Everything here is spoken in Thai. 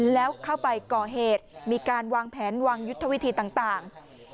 แล้วเข้าไปก่อเหตุมีการวางแผนวางยุทธวิธีต่าง